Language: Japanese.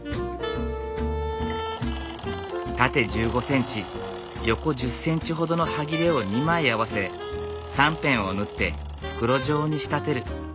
縦１５センチ横１０センチほどのはぎれを２枚合わせ３辺を縫って袋状に仕立てる。